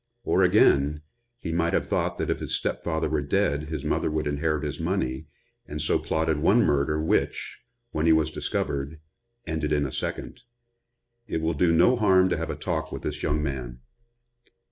Or again, he might have thought that if his step father were dead his mother would inherit his money and so plotted one murder, which, when he was discovered, ended in a second. It will do no harm to have a talk with this young man."